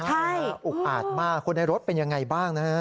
อุกอาดมากคนในรถเป็นยังไงบ้างนะฮะ